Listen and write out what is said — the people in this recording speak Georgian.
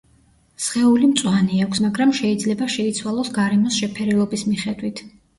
სხეული მწვანე აქვს, მაგრამ შეიძლება შეიცვალოს გარემოს შეფერილობის მიხედვით.